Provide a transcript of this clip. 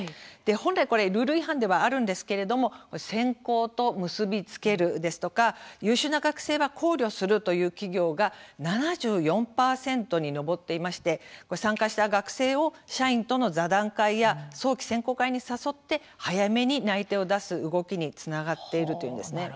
本来これ、ルール違反ではあるんですけれども「選考と結びつける」「優秀な学生は考慮する」という企業が７４％に上っていまして参加した学生を社員との座談会や早期選考会に誘って早めに内定を出す動きにつながっているというんですね。